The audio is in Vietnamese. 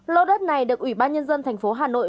lô đất này được ủy ban nhân dân thành phố hà nội